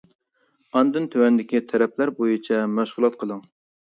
ئاندىن تۆۋەندىكى تەرەپلەر بويىچە مەشغۇلات قىلىڭ.